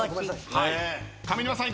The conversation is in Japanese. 上沼さん